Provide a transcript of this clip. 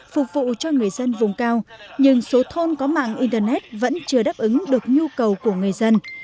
phục vụ cho người dân vùng cao nhưng số thôn có mạng internet vẫn chưa đáp ứng được nhu cầu của người dân